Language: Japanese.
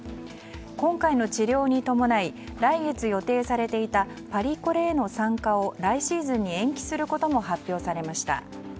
今回の治療に伴い来月予定されていたパリコレへの参加を来シーズンに延期することも発表されました。